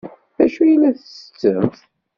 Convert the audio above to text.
D acu ay la tettettemt?